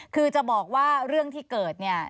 คือจะบอกว่าเรื่องที่เกิดเนี่ย